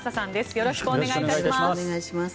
よろしくお願いします。